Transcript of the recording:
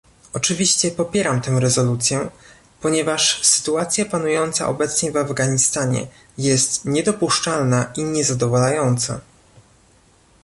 Oczywiście popieram tę rezolucję, ponieważ sytuacja panująca obecnie w Afganistanie jest niedopuszczalna i niezadowalająca